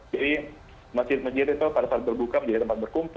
jadi masjid masjid itu pada saat berbuka menjadi tempat berkumpul